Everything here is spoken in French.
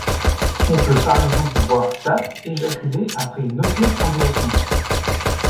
On peut par exemple voir Tate éjaculer après une auto-strangulation.